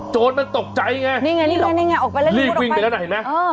โจทย์มันตกใจไงนี่ไงนี่ไงนี่ไงออกไปแล้วรีบวิ่งไปแล้วนะเห็นไหม